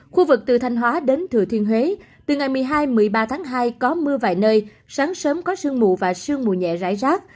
khu vực từ thanh hóa đến thừa thiên huế từ ngày một mươi hai một mươi ba tháng hai có mưa vài nơi sáng sớm có sương mù và sương mù nhẹ rải rác